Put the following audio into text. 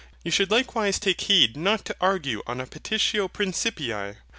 You should likewise take heed not to argue on a PETITIO PRINCIPII.